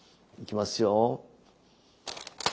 いきますよ！